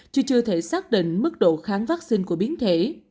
chứ chưa thể xác định mức độ kháng vắc xin của biến thể